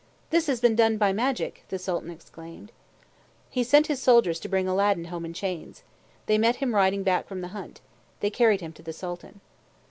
"This has been done by magic!" the Sultan exclaimed. He sent his soldiers to bring Aladdin home in chains. They met him riding back from the hunt. They carried him to the Sultan.